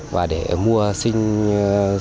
và để mua sản xuất